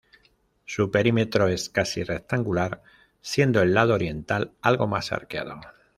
Su perímetro es casi rectangular, siendo el lado oriental algo más arqueado.